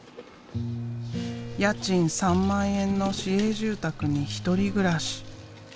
家賃３万円の市営住宅に１人暮らし。